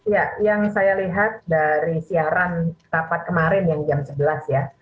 ya yang saya lihat dari siaran tapat kemarin yang jam sebelas ya